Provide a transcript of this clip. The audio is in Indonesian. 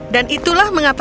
dan itulah menyebabkan